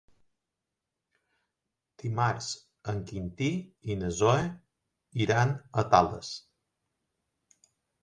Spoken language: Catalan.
Dimarts en Quintí i na Zoè iran a Tales.